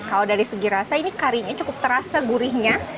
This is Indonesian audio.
kalau dari segi rasa ini karinya cukup terasa gurihnya